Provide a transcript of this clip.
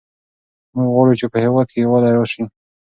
موږ غواړو چې په هېواد کې یووالی راسي.